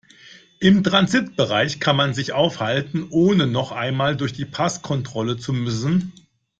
Im Transitbereich kann man sich aufhalten, ohne noch einmal durch die Passkontrolle zu müssen.